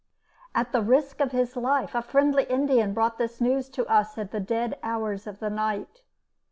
At the risk of his life a friendly Indian brought this news to us in the dead hours of the night.